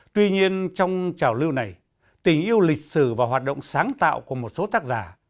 tuy nhiên trong trào lưu này tình yêu lịch sử và hoạt động sáng tạo của một số tác giả